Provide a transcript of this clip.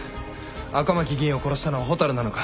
赤巻議員を殺したのは蛍なのか？